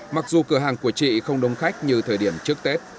mặc dù cửa hàng của chị không đông khách như thời điểm trước tết